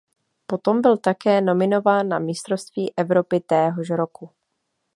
Potom byl také nominován na mistrovství Evropy téhož roku.